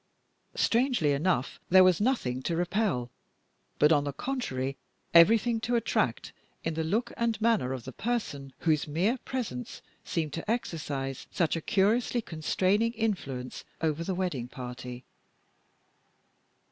Strangely enough there was nothing to repel, but, on the contrary, everything to attract in the look and manner of the person whose mere presence seemed to exercise such a curiously constraining influence over the wedding party.